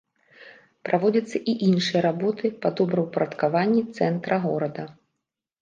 Праводзяцца і іншыя работы па добраўпарадкаванні цэнтра горада.